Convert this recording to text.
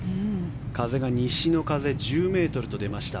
風が西の風１０ｍと出ました。